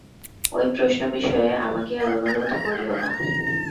ঐ-প্রশ্ন বিষয়ে আমাকে আর অনুরোধ করিও না।